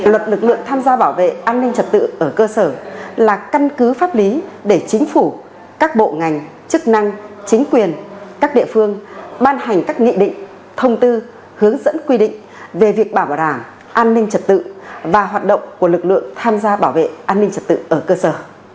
luật lực lượng tham gia bảo vệ an ninh trật tự ở cơ sở là căn cứ pháp lý để chính phủ các bộ ngành chức năng chính quyền các địa phương ban hành các nghị định thông tư hướng dẫn quy định về việc bảo đảm an ninh trật tự và hoạt động của lực lượng tham gia bảo vệ an ninh trật tự ở cơ sở